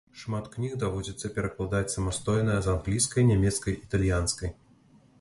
Шмат кніг даводзіцца перакладаць самастойна з англійскай, нямецкай, італьянскай.